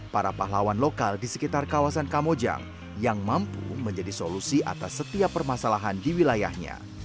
para pahlawan lokal di sekitar kawasan kamojang yang mampu menjadi solusi atas setiap permasalahan di wilayahnya